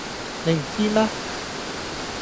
你唔知咩